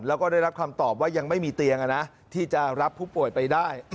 แล้วก็ได้รับคำตอบว่ายังไม่มีเตียงที่จะรับผู้ป่วยไปได้